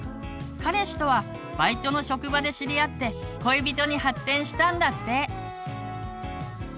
彼氏とはバイトの職場で知り合って恋人に発展したんだって。